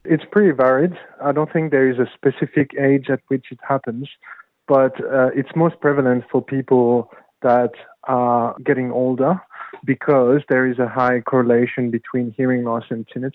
ini sangat beragam saya tidak pikir ada umur yang spesifik di mana tinnitus terjadi tapi paling sering terjadi bagi orang yang mengembang karena ada korelasi tinggi antara tinnitus dan kekurangan dengar